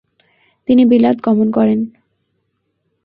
তিনি বিলাত গমন করেন।